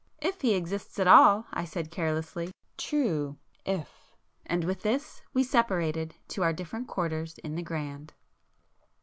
"If He exists at all!" I said carelessly. "True! If—!" And with this, we separated to our different quarters in the 'Grand.